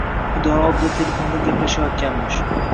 Idora oldida telefonda gaplashayotganmish